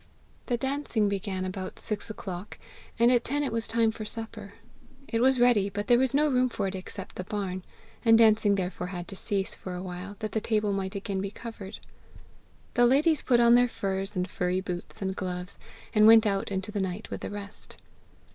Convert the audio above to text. The dancing began about six o'clock, and at ten it was time for supper. It was ready, but there was no room for it except the barn; the dancing therefore had to cease for a while, that the table might again be covered. The ladies put on their furs and furry boots and gloves, and went out into the night with the rest.